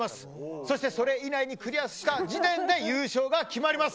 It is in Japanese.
そしてそれ以内にクリアした時点で優勝が決まります。